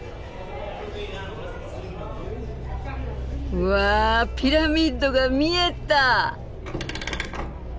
うわピラミッドが見えた！